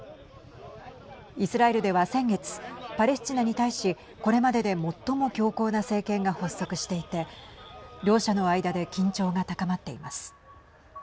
イスラエルでは先月パレスチナに対しこれまでで最も強硬な政権が発足していて両者の間で緊張が高まっています。